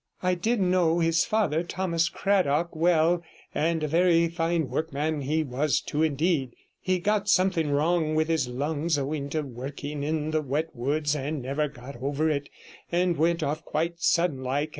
I did know his father, Thomas Cradock, well, and a very fine workman he was too, indeed. He got something wrong with his lungs owing to working in the wet woods, and never got over it, and went off quite sudden like.